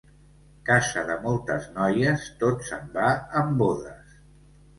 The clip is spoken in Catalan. Casa de moltes noies, tot se'n va en bodes.